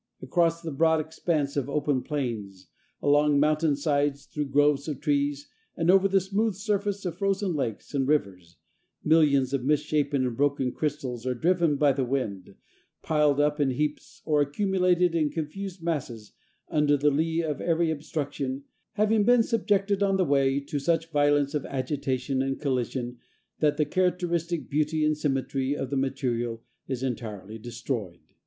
Across the broad expanse of open plains, along mountain sides, through groves of trees, and over the smooth surface of frozen lakes and rivers, millions of misshapen and broken crystals are driven by the wind, piled up in heaps, or accumulated in confused masses under the lee of every obstruction, having been subjected on the way to such violence of agitation and collision that the characteristic beauty and symmetry of the material is entirely destroyed.